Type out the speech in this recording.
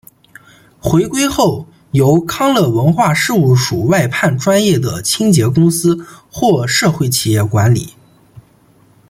回归后由康乐文化事务署外判专业的清洁公司或社会企业管理。